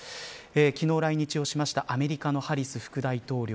昨日、来日したアメリカのハリス副大統領